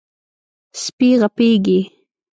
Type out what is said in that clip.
سپي غپېږي.